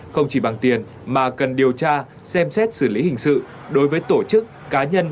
không chỉ bằng tiền mà cần điều tra xem xét xử lý hình sự đối với tổ chức cá nhân